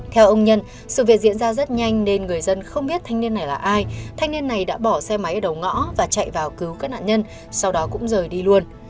theo ông nhân sự việc diễn ra rất nhanh nên người dân không biết thanh niên này là ai thanh niên này đã bỏ xe máy ở đầu ngõ và chạy vào cứu các nạn nhân sau đó cũng rời đi luôn